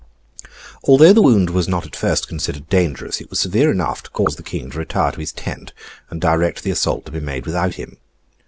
Although the wound was not at first considered dangerous, it was severe enough to cause the King to retire to his tent, and direct the assault to be made without him.